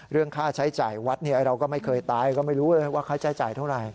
เรื่องค่าใช้จ่ายวัดเราก็ไม่เคยตายก็ไม่รู้เลยว่าค่าใช้จ่ายเท่าไหร่